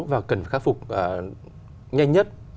và cần khắc phục nhanh nhất